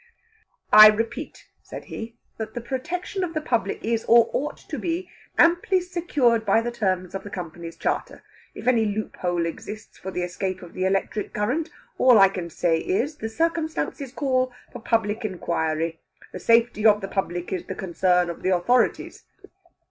"I repeat," said he, "that the protection of the public is, or ought to be, amply secured by the terms of the Company's charter. If any loophole exists for the escape of the electric current, all I can say is, the circumstances call for public inquiry. The safety of the public is the concern of the authorities."